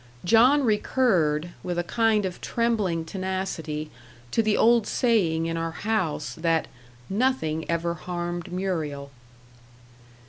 John recurred, with a kind of trembling tenacity, to the old saying in our house, that "nothing ever harmed Muriel."